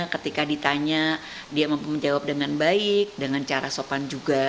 ketika ditanya dia mampu menjawab dengan baik dengan cara sopan juga